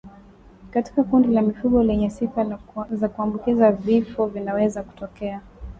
Katika kundi la mifugo lenye sifa za kuambukizwa vifo vinaweza kutokea